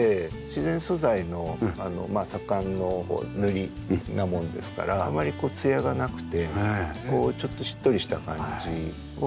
自然素材の左官の塗りなものですからあまりツヤがなくてちょっとしっとりした感じを出すという。